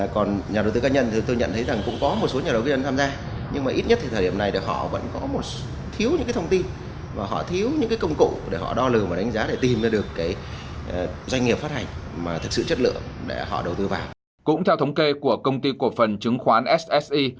cũng theo thống kê của công ty cổ phần chứng khoán sse